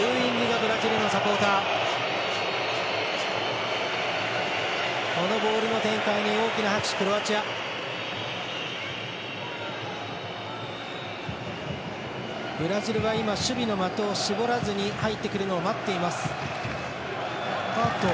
ブラジルは、守備の的を絞らずに入ってくるのを待っています。